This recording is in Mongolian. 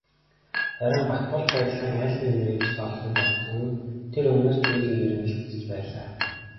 Харин Батболд барилгын аль нэг мэргэжил олохыг бодсонгүй, тэс өмнөө зүйлийг эрмэлзэж байлаа.